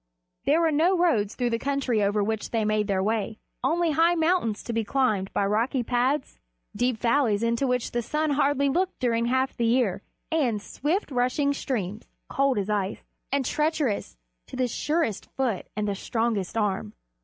There were no roads through the country over which they made their way, only high mountains to be climbed by rocky paths, deep valleys into which the sun hardly looked during half the year, and swift rushing streams, cold as ice, and treacherous to the surest foot and the strongest arm.